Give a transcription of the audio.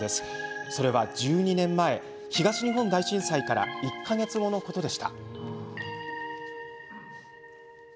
それは１２年前東日本大震災から１か月後のことでした。